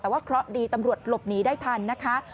แต่ว่าเคราะห์ดีตำรวจหลบหนีได้ทันนะคะ